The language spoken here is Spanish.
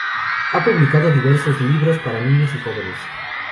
Ha publicado diversos libros para niños y jóvenes.